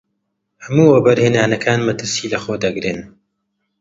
هەموو وەبەرهێنانەکان مەترسی لەخۆ دەگرن.